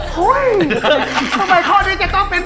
เฮ้ยทำไมข้อนี้จะต้องเป็น